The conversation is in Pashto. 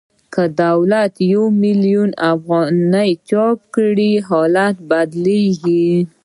که دولت یو میلیون افغانۍ چاپ کړي حالت بدلېږي